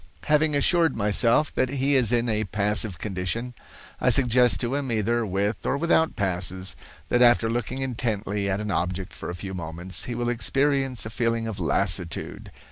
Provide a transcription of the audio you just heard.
"Having assured myself that he is in a passive condition, I suggest to him, either with or without passes, that after looking intently at an object for a few moments, he will experience a feeling of lassitude.